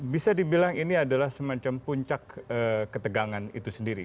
bisa dibilang ini adalah semacam puncak ketegangan itu sendiri